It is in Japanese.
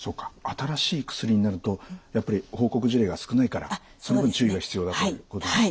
新しい薬になるとやっぱり報告事例が少ないからその分注意が必要だということなんですね。